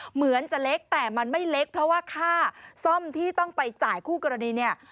เหมือนจะเล็กแต่มันไม่เล็กเพราะว่าค่าซ่อมที่ต้องไปจ่ายคู่กรณีเนี่ย